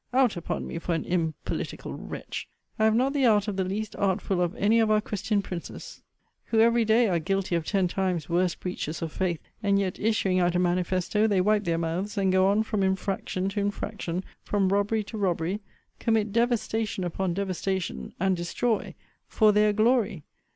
Out upon me, for an impolitical wretch! I have not the art of the least artful of any of our Christian princes; who every day are guilty of ten times worse breaches of faith; and yet, issuing out a manifesto, they wipe their mouths, and go on from infraction to infraction, from robbery to robbery; commit devastation upon devastation; and destroy for their glory!